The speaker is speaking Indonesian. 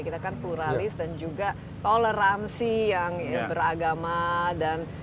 kita kan pluralis dan juga toleransi yang beragama dan beda beda budaya tradisional